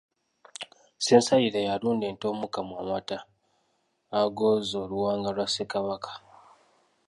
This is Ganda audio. Ssensalire y'alunda ente omukamwa amata agooza oluwanga lwa SseKabaka.